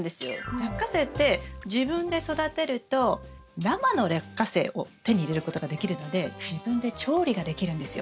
ラッカセイって自分で育てると生のラッカセイを手に入れることができるので自分で調理ができるんですよ。